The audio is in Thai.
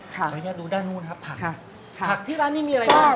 ขออนุญาตดูด้านนู้นครับผักที่ร้านนี้มีอะไรบ้างครับ